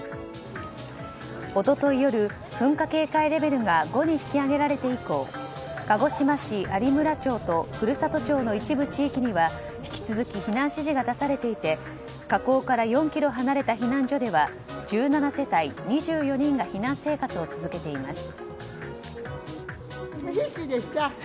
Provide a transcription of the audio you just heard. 一昨日夜、噴火警戒レベルが５に引き上げられて以降鹿児島市有村町と古里町の一部地域には引き続き避難指示が出されていて火口から４ｋｍ離れた避難所では１７世帯２４人が避難生活を続けています。